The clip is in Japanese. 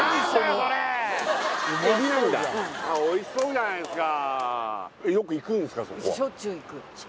うんあっおいしそうじゃないっすか